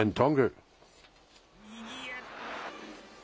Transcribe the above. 右へ。